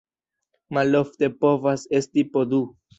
Malofte povas esti po du.